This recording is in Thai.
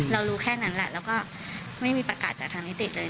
เรารู้แค่นั้นแหละแล้วก็ไม่มีประกาศจากทางนิติเลย